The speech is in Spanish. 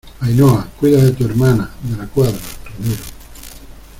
Ainhoa, cuida de tu hermana. de la Cuadra , Ramiro